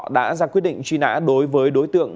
đã ra quyết định truy nã đối với đối tượng